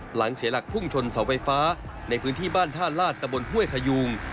เสียหลักพุ่งชนเสาไฟฟ้าในพื้นที่บ้านท่าลาดตะบนห้วยขยูง